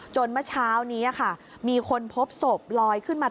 เมื่อเช้านี้ค่ะมีคนพบศพลอยขึ้นมา